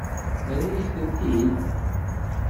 Terra-yak-tent-id?